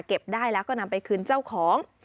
เก็บได้แล้วก็นำไปคืนเจ้าของ